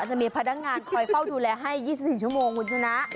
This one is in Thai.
จะมีพนักงานคอยเฝ้าดูแลให้๒๔ชั่วโมงคุณชนะ